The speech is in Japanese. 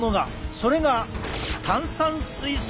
それが炭酸水素イオン。